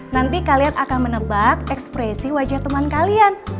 nanti kalian akan menebak ekspresi wajah teman kalian